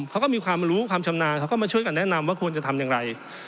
เขาก็มีความรู้ความชำนาญเขาก็มาช่วยกันแนะนำว่าควรจะทำอย่างไร